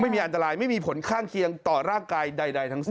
ไม่มีอันตรายไม่มีผลข้างเคียงต่อร่างกายใดทั้งสิ้น